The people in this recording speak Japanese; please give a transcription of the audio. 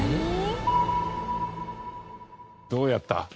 どうやった？